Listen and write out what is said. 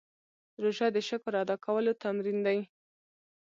روژه د شکر ادا کولو تمرین دی.